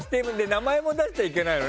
名前も出しちゃいけないの？